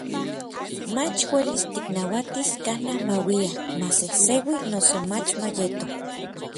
mach uelis tiknauatis kanaj mauia, masejseui noso mach mayeto.